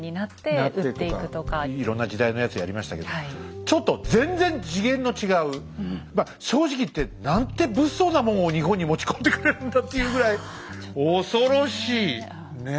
いろんな時代のやつやりましたけどちょっと正直言ってなんて物騒なもんを日本に持ち込んでくれるんだっていうぐらい恐ろしいねえ。